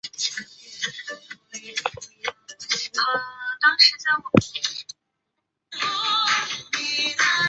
绿袖蝶属是蛱蝶科釉蛱蝶亚科中的一个属。